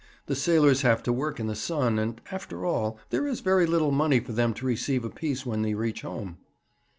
The sailors have to work in the sun, and, after all, there is very little money for them to receive apiece when they reach home.'